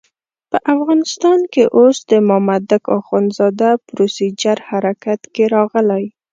په افغانستان کې اوس د مامدک اخندزاده پروسیجر حرکت کې راغلی.